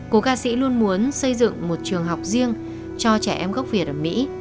cố ca sĩ luôn muốn xây dựng một trường học riêng cho trẻ em gốc việt ở mỹ